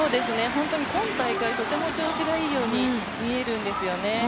本当に今大会とても調子がいいように見えるんですよね。